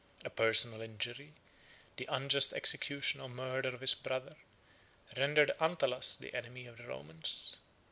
A personal injury, the unjust execution or murder of his brother, rendered Antalas the enemy of the Romans.